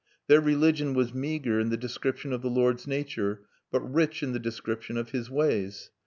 Their theology was meagre in the description of the Lord's nature, but rich in the description of his ways.